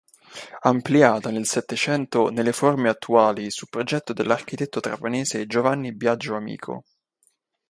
Ampliata nel Settecento nelle forme attuali su progetto dell'architetto trapanese Giovanni Biagio Amico.